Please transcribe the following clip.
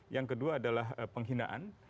yang kedua adalah penghinaan